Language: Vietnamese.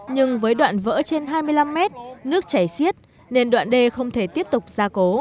nhưng với đoạn vỡ trên hai mươi tỷ đồng tất cả đều bị ngập úng